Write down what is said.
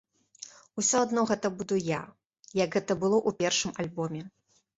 Усё адно гэта буду я, як гэта было ў першым альбоме.